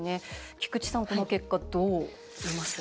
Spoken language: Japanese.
菊地さん、この結果どう見ます？